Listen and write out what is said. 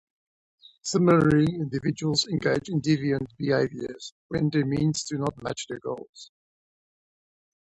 Similarly, individuals engage in deviant behaviors when their means do not match their goals.